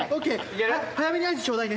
早めに合図ちょうだいね。